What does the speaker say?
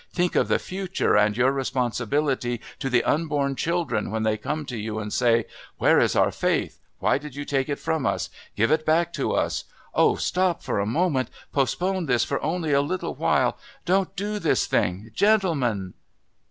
Think of the future and your responsibility to the unborn children when they come to you and say: 'Where is our faith? Why did you take it from us? Give it back to us!' Oh, stop for a moment! Postpone this for only a little while. Don't do this thing!...Gentlemen!"